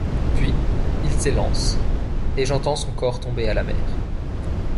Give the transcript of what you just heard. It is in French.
Puis, il s’élance, et j’entends son corps tomber à la mer.